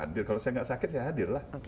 hadir kalau saya nggak sakit saya hadirlah